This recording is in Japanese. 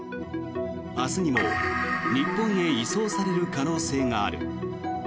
明日にも日本へ移送される可能性がある。